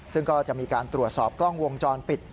ซึ่งก็จะมีการตรวจสอบกล้องวงจรปิด